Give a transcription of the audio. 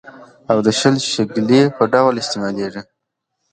او د شل، شلګي په ډول استعمالېږي.